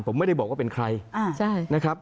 ผมไม่ได้บอกว่าเป็นใครนะครับ